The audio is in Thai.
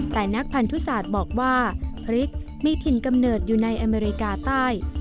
แต่นักพันธุศาสตร์บอกว่าพริกมีถิ่นกำเนิดอยู่ในอเมริกาใต้